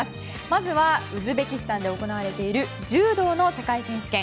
まずはウズベキスタンで行われている柔道の世界選手権。